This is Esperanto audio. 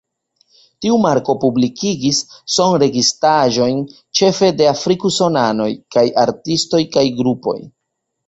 Tiu marko publikigis sonregistraĵojn ĉefe de afrik-usonanoj kaj artistoj kaj grupoj.